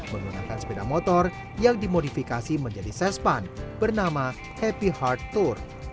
menggunakan sepeda motor yang dimodifikasi menjadi sespan bernama happy hard tour